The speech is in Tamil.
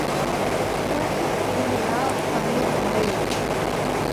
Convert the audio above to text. உவகைத் திருவிழா பனிரண்டு .